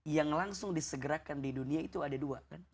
yang langsung disegerakan di dunia itu ada dua kan